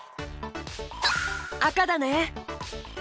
あかだね。